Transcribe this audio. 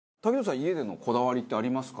家でのこだわりってありますか？